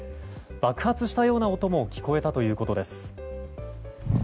爆発したような音も聞こえたということです。